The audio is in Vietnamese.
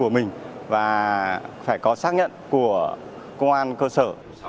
mình và phải có xác nhận của công an cơ sở